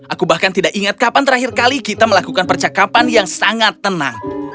aku bahkan tidak ingat kapan terakhir kali kita melakukan percakapan yang sangat tenang